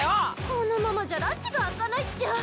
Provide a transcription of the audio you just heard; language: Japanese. このままじゃらちが明かないっちゃ。